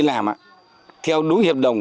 làm á theo đối hiệp đồng